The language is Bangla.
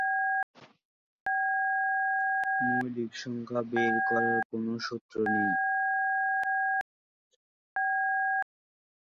মৌলিক সংখ্যা বের করার কোন সূত্র নেই।